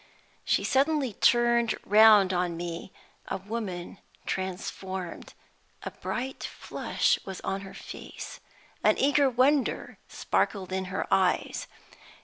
She suddenly turned round on me, a woman transformed. A bright flush was on her face, an eager wonder sparkled in her eyes.